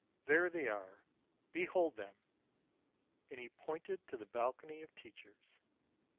There they are; behold them!" And he pointed to the balcony of teachers.